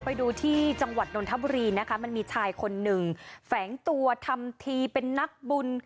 ไปดูที่จังหวัดนนทบุรีนะคะมันมีชายคนหนึ่งแฝงตัวทำทีเป็นนักบุญ